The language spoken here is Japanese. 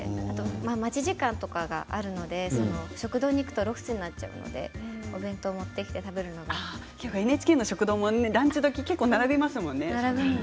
待ち時間とかがあるので食堂に行くとロスになっちゃうのでお弁当を持ってきてＮＨＫの食堂もランチ時並びます。